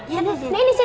ya udah sini sini